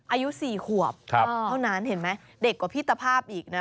อายุ๔ขวบเท่านั้นเห็นไหมเด็กกว่าพี่ตภาพอีกนะ